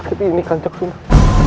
rasa sakit ini kanjaksunan